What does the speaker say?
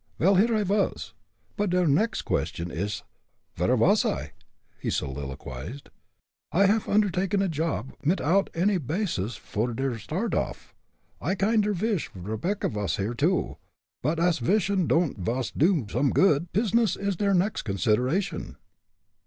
"Vel, here I vas but der next question ish, vere vas I?" he soliloquized. "I haff undertaken a job mitout any bases vor a start off. I kinder vish Rebecca vas here, too but ash vishin' don'd vas do some good, pizness is der next consideration."